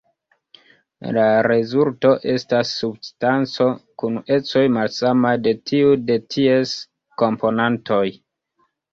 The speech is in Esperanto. La rezulto estas substanco kun ecoj malsamaj de tiuj de ties komponantoj.